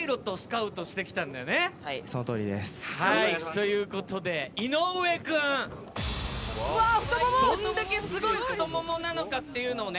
ということで井上くん。どんだけすごい太ももなのかっていうのをね